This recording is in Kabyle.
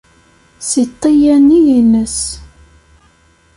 Si ṭṭiya-nni-ines.